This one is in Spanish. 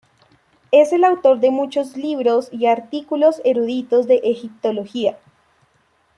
Es el autor de muchos libros y artículos eruditos de egiptología.